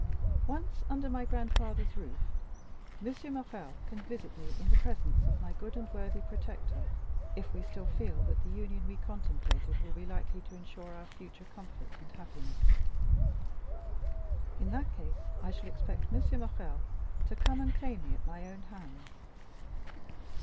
"Once under my grandfather's roof, M. Morrel can visit me in the presence of my good and worthy protector, if we still feel that the union we contemplated will be likely to insure our future comfort and happiness; in that case I shall expect M. Morrel to come and claim me at my own hands.